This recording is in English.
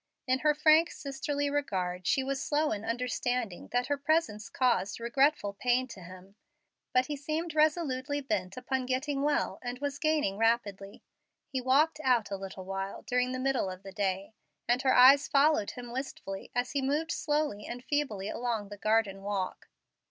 In her frank, sisterly regard she was slow in understanding that her presence caused regretful pain to him. But he seemed resolutely bent upon getting well, and was gaining rapidly. He walked out a little while during the middle of the day, and her eyes followed him wistfully as he moved slowly and feebly along the garden walk.